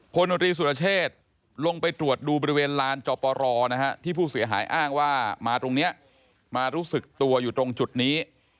นตรีสุรเชษลงไปตรวจดูบริเวณลานจอปรที่ผู้เสียหายอ้างว่ามาตรงนี้มารู้สึกตัวอยู่ตรงจุดนี้